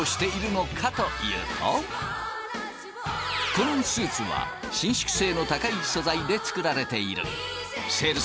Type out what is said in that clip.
このスーツは伸縮性の高い素材で作られている。